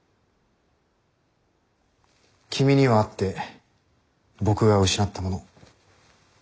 君にはあって僕が失ったもの。